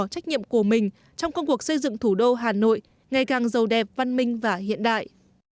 trách nhiệm của mình trong công cuộc xây dựng thủ đô hà nội ngày càng giàu đẹp văn minh và hiện đại